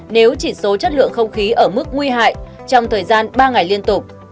nếu chỉ số chất lượng không khí ở mức nguy hại trong thời gian ba ngày liên tục